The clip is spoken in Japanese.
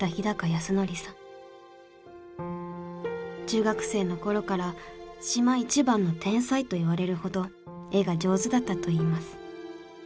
中学生の頃から島一番の天才といわれるほど絵が上手だったといいます。